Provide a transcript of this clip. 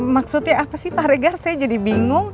maksudnya apa sih pak regar saya jadi bingung